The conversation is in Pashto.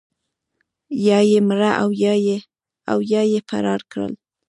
یا یې مړه او یا یې فرار کړل.